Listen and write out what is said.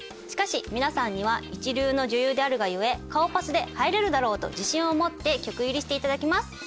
しかし皆さんには一流の女優であるが故顔パスで入れるだろうと自信を持って局入りしていただきます。